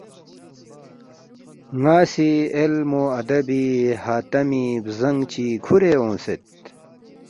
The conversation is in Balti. ناسی علم و ادبی حاتمی ؔ بزانگ چی کھورے اونگسید